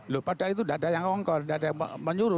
loh padahal itu tidak ada yang ongkol tidak ada yang menyuruh